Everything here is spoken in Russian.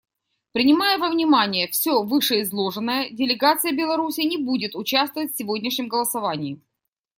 Принимая во внимание все вышеизложенное, делегация Беларуси не будет участвовать в сегодняшнем голосовании.